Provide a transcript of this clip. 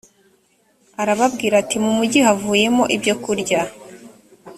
arababwira ati mu mujyi havuyemo ibyo kurya